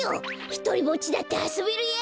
ひとりぼっちだってあそべるやい！